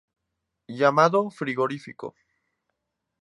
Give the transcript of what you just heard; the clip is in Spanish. llamado frigorífico